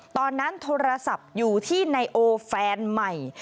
ตอนนั้นโทรศัพท์อยู่ที่นายโอแฟนใหม่